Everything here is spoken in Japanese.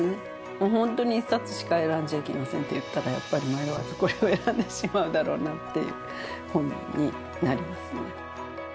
もう本当に１冊しか選んじゃいけませんっていったらやっぱり迷わずこれを選んでしまうだろうなという本になりますね。